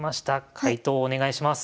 解答お願いします。